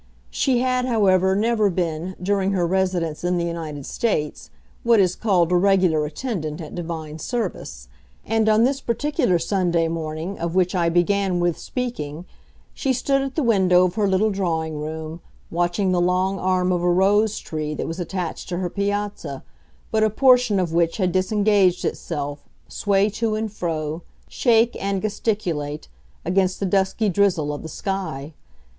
She had, however, never been, during her residence in the United States, what is called a regular attendant at divine service; and on this particular Sunday morning of which I began with speaking she stood at the window of her little drawing room, watching the long arm of a rose tree that was attached to her piazza, but a portion of which had disengaged itself, sway to and fro, shake and gesticulate, against the dusky drizzle of the sky.